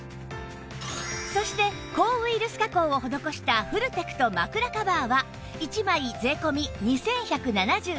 そして抗ウイルス加工を施したフルテクト枕カバーは１枚税込２１７８円